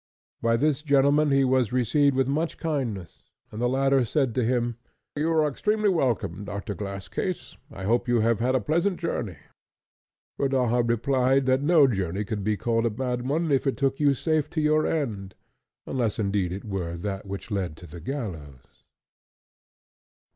By this gentleman he was received with much kindness, and the latter said to him, "You are extremely welcome, Doctor Glasscase; I hope you have had a pleasant journey." Rodaja replied, that no journey could be called a bad one if it took you safe to your end, unless indeed it were that which led to the gallows.